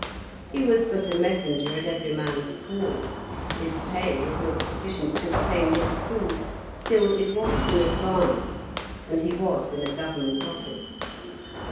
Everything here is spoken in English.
He was but a messenger at every man's call; his pay was not sufficient to obtain his food, still it was an advance, and he was in a government office.